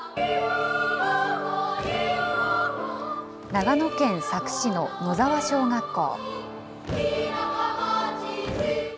長野県佐久市の野沢小学校。